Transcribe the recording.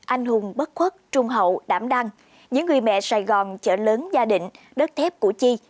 anh hùng bất khuất trung hậu đảm đăng những người mẹ sài gòn chợ lớn gia đình đất thép củ chi